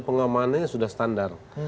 pengamanannya sudah standar